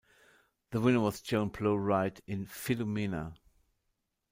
The winner was Joan Plowright in "Filumena".